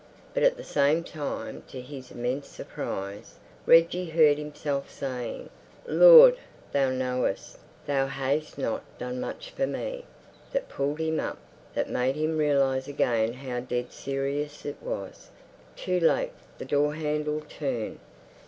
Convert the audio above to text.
But at the same time, to his immense surprise, Reggie heard himself saying, "Lord, Thou knowest, Thou hast not done much for me...." That pulled him up; that made him realize again how dead serious it was. Too late. The door handle turned.